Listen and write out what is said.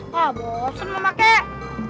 hah bosan mama kek